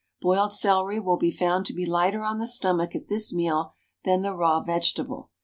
Boiled celery will be found to be lighter on the stomach at this meal than the raw vegetable.